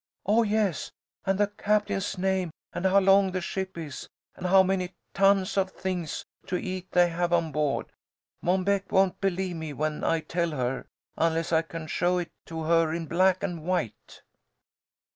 Oh, yes! And the captain's name and how long the ship is, and how many tons of things to eat they have on board. Mom Beck won't believe me when I tell her, unless I can show it to her in black and white."